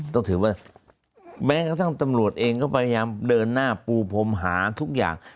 ต้องถือว่าแม้กระทั่งตำรวจเองก็พยายามเดินหน้าปูพรมหาทุกอย่าง